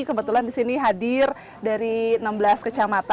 kebetulan disini hadir dari enam belas kecamatan